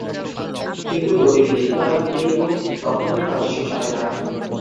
কিন্তু দলিল লিখিয়া দিলেই তো তখনই কাজ শেষ হয় না।